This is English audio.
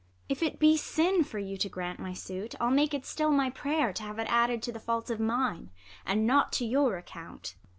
If it be sin for you To grant my suit, I'll make it still my prayer To have it added to the faults of mine, And not to your account.